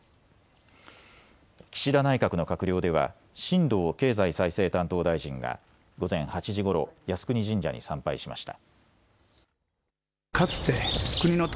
岸田内閣の閣僚では新藤経済再生担当大臣が午前８時ごろ靖国神社に参拝しました。